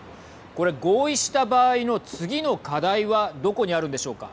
これ合意した場合の次の課題はどこにあるんでしょうか。